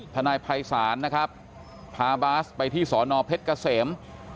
ทนายภัยศาลนะครับพาบาสไปที่สอนอเพชรเกษม